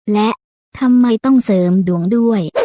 และทำไมต้องเสริมดวงด้วย